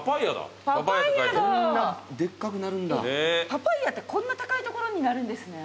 パパイヤってこんな高い所になるんですね。